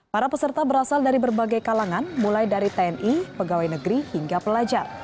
para peserta berasal dari berbagai kalangan mulai dari tni pegawai negeri hingga pelajar